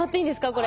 これ。